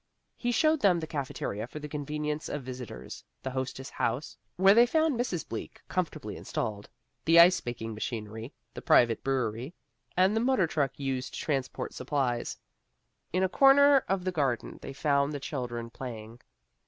He showed them the cafeteria for the convenience of visitors, the Hostess House (where they found Mrs. Bleak comfortably installed), the ice making machinery, the private brewery, and the motor truck used to transport supplies. In a corner of the garden they found the children playing.